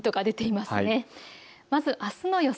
まずあすの予想